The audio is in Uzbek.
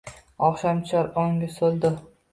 Oqshom tushar… o’ngu so’lda